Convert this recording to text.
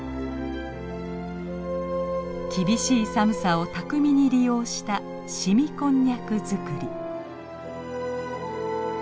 厳しい寒さを巧みに利用した凍みこんにゃく作り。